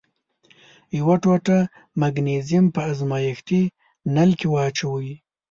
یوه ټوټه مګنیزیم په ازمیښتي نل کې واچوئ.